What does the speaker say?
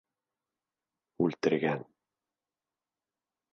Үлтергән!